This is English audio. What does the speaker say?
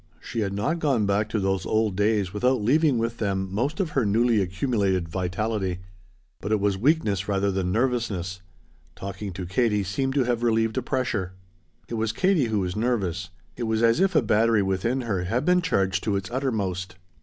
She had not gone back to those old days without leaving with them most of her newly accumulated vitality. But it was weakness rather than nervousness. Talking to Katie seemed to have relieved a pressure. It was Katie who was nervous. It was as if a battery within her had been charged to its uttermost.